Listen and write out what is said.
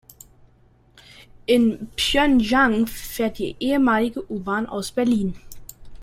In Pjöngjang fährt die ehemalige U-Bahn aus Berlin.